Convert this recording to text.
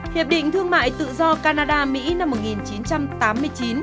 hiệp định thương mại tự do canada mỹ năm một nghìn chín trăm tám mươi chín